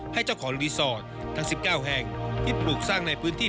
ให้เจ้าของรีสอร์ททั้ง๑๙แห่งที่ปลูกสร้างในพื้นที่